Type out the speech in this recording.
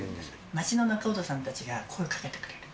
街の仲人さんたちが声かけてくれる。